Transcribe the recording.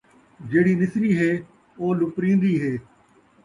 جیڑھی نسری ہے ، او لُپرین٘دی ہے